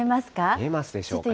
見えますでしょうか。